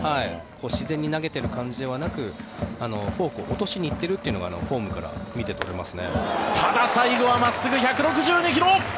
自然に投げてる感じではなくフォークを落としに行ってるというのがフォークから見て取れます。